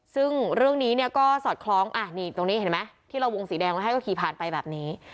ซึ่งเรื่องนี้เนี่ยก็สอดคล้องนี่ตรงนี้เห็นไหมที่เราวงสีแดงไว้ให้ก็ขี่ผ่านไปแบบนี้